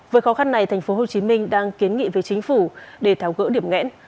với khó khăn này tp hcm đang kiến nghị với chính phủ để tháo gỡ điểm nghẽn